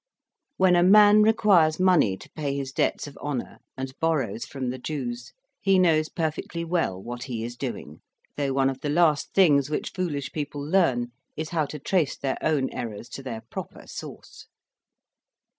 When a man requires money to pay his debts of honour, and borrows from the Jews, he knows perfectly well what he is doing; though one of the last things which foolish people learn is how to trace their own errors to their proper source.